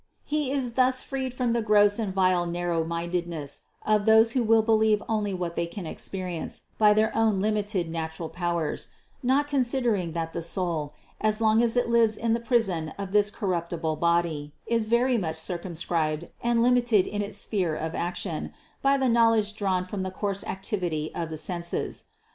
He is thus freed from the gross and vile nar row mindedness of those who will believe only what they can experience by their own limited natural powers, not considering that the soul, as long as it lives in the prison of this corruptible body, is very much circumscribed and limited in its sphere of action by the knowledge drawn from the coarse activity of the senses.